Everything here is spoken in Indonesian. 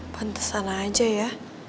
pantes sana aja ya